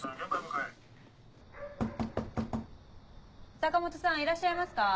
坂本さんいらっしゃいますか？